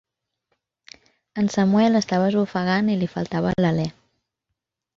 En Samuel estava esbufegant i li faltava l'alè.